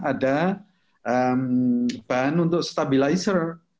ada bahan untuk stabilizer